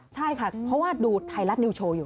ใช่ค่ะเพราะว่าดูไทยรัฐนิวโชว์อยู่